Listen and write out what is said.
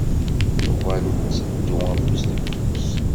Nuɣal ntteddu afus deg ufus.